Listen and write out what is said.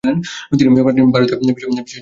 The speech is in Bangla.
তিনি প্রাচীন ভারতীয় বিষয়ের জন্য বিখ্যাত।